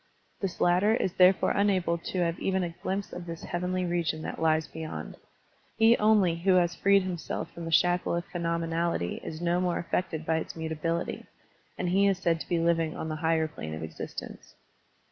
This latter is therefore unable to have even a glimpse of this heavenly region that lies beyond. He only who has freed himself from the shackle of phenom enality is no more affected by its mutability, and he is said to be living on the higher plane of existence.